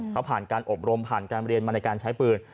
เขาผ่านการอบรมผ่านการเรียนมาในการใช้ปืน